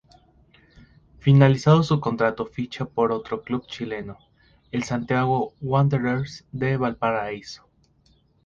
Finalizado su contrato ficha por otro club chileno, el Santiago Wanderers de Valparaíso.